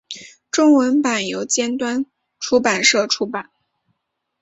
中文版由尖端出版社出版。